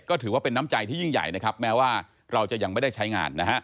ก็ถือว่าเป็นน้ำใจที่ยิ่งใหญ่นะครับแม้ว่าเราจะยังไม่ได้ใช้งานนะฮะ